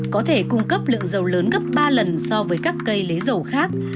có thể cung cấp lượng dầu lớn gấp ba lần so với các cây lấy dầu khác